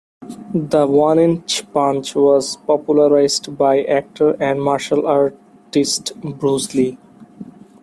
The one-inch punch was popularised by actor and martial artist Bruce Lee.